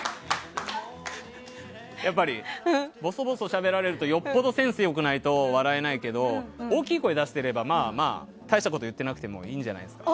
やっぱりボソボソしゃべられるとよっぽどセンスないと笑えないけど大きい声出してればまあ、まあ、大したことを言ってなくてもいいんじゃないですか。